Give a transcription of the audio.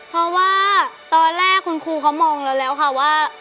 เพราะว่าตอนแรกคุณครูเขามองเราแล้วค่ะว่า